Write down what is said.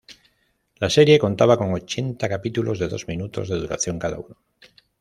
La serie contaba con ochenta capítulos de dos minutos de duración cada uno.